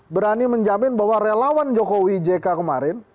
berani menjamin bahwa relawan jokowi jk kemarin